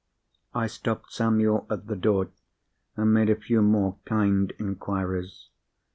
I stopped Samuel at the door, and made a few more kind inquiries.